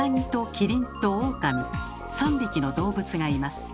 ３匹の動物がいます。